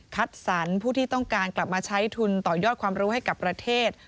สรรผู้ที่ต้องการกลับมาใช้ทุนต่อยอดความรู้ให้กับประเทศ